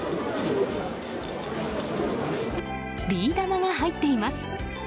ビー玉が入っています。